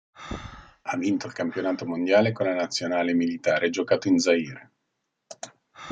Ha vinto il Campionato mondiale con la Nazionale militare giocato in Zaire.